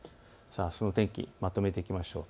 あすの天気をまとめていきましょう。